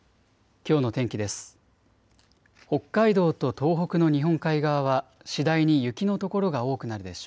きょうの天気です。